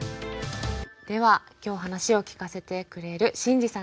では今日話を聞かせてくれるシンジさんです。